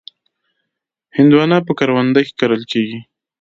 هندوانه په کرونده کې کرل کېږي.